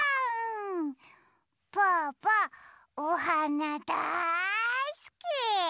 ぽぅぽおはなだいすき。